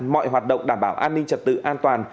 mọi hoạt động đảm bảo an ninh trật tự an toàn